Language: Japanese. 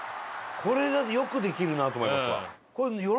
これがよくできるなと思いますわ。